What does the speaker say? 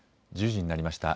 １０時になりました。